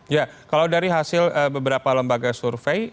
ya kalau dari hasil beberapa lembaga survei